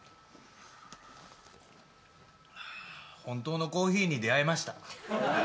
本当のコーヒーに出合えました。